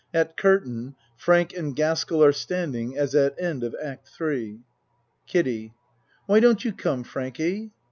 At curtain (Frank and Gas k ell are standing as at end of Act III.) KIDDIE Why don't you come, Frankie?